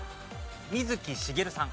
水木しげるさん。